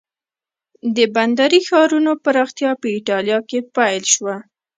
د بندري ښارونو پراختیا په ایټالیا کې پیل شوه.